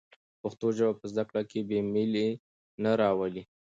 پښتو ژبه په زده کړه کې بې میلي نه راولي.